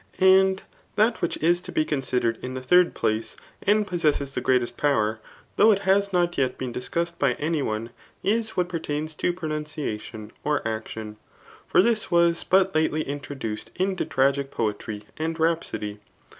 And that which is to be considered in the diird places and possesses die greatest power, though it has not ^yet been discussed by any one, is what pertains to pronundadon, or action. For tius was but lately hitroduoed into tnfpc poetry and rhapsody.